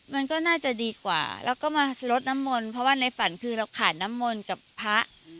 มันก็น่าจะดีกว่าแล้วก็มาลดน้ำมนต์เพราะว่าในฝันคือเราขาดน้ำมนต์กับพระ